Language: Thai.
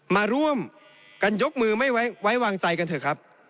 มาร่วมกันยกมือไม่ไว้วางใจกันเถอะครับ